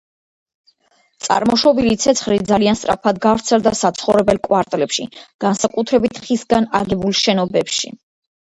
წარმოშობილი ცეცხლი ძალიან სწრაფად გავრცელდა საცხოვრებელ კვარტლებში, განსაკუთრებით ხისგან აგებულ შენობებში.